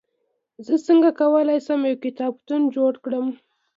زه څنګه کولای سم، یو کتابتون جوړ کړم؟